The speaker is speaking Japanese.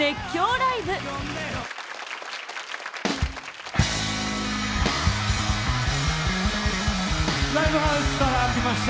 ライブハウスから来ました。